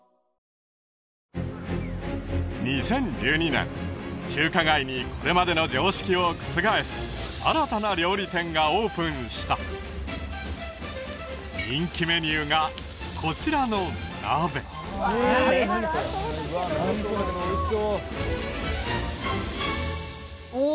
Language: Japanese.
２０１２年中華街にこれまでの常識を覆す新たな料理店がオープンした人気メニューがこちらの鍋お！